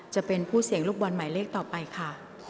จะเป็นผู้เสี่ยงลูกบอลหมายเลขต่อไปค่ะ